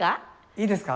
いいですか？